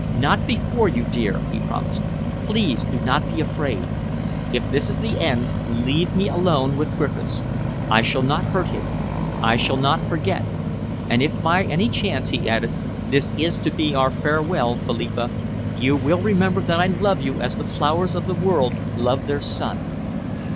"Not before you, dear," he promised. "Please do not be afraid. If this is the end, leave me alone with Griffiths. I shall not hurt him. I shall not forget. And if by any chance," he added, "this is to be our farewell, Philippa, you will remember that I love you as the flowers of the world love their sun.